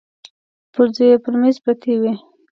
پرزې يې پر مېز پرتې وې.